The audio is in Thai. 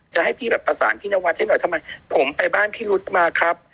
จะให้พี่แบบประสานพี่นวัดให้หน่อยทำไมผมไปบ้านพี่รุษมาครับ